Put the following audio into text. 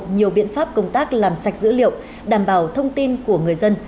nhiều biện pháp công tác làm sạch dữ liệu đảm bảo thông tin của người dân